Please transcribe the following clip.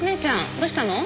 どうしたの？